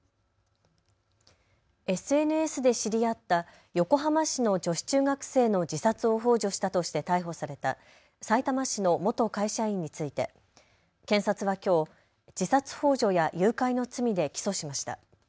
ＳＮＳで知り合った横浜市の女子中学生の自殺をほう助したとして逮捕されたさいたま市の元会社員について検察はきょう、自殺ほう助や誘拐の罪で起訴しました。